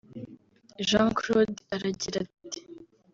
Jean Claude aragira ati